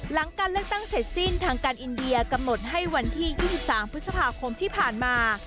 หลังการเลือกตั้งเสร็จสิ้นทางการอินเดียกำหนดให้วันที่๒๓พฤษภาคมที่ผ่านมา